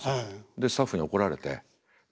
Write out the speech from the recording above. でスタッフに怒られてねっ。